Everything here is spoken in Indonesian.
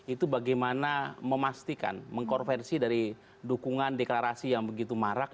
itu bagaimana memastikan mengkonversi dari dukungan deklarasi yang begitu marak